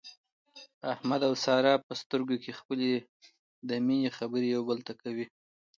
احمد او ساره په سترګو کې خپلې د مینې خبرې یو بل ته کوي.